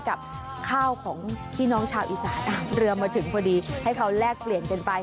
กับข้าวของพี่น้องชาวอีสานเรือมาถึงพอดีให้เขาแลกเปลี่ยนกันไป